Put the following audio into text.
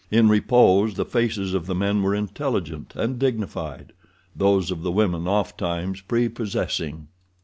In repose the faces of the men were intelligent and dignified, those of the women ofttimes prepossessing.